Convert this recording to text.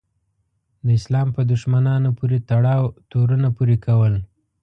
د اسلام په دښمنانو پورې تړاو تورونه پورې کول.